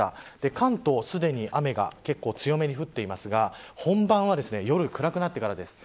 関東、すでに雨が強めに降っていますが本番は夜暗くなってからです。